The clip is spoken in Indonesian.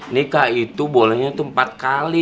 nikah itu bolehnya itu empat kali